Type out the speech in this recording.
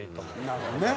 なるほどね。